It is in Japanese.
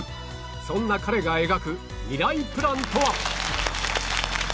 そんな彼が描くミライプランとは？